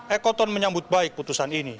ekoton menyambut baik putusan ini